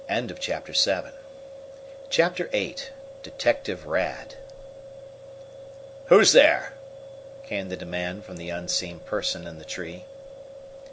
Chapter VIII Detective Rad "Who's there?" came the demand from the unseen person in the tree.